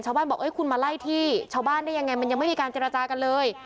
บอกคุณมาไล่ที่ชาวบ้านได้ยังไงมันยังไม่มีการเจรจากันเลย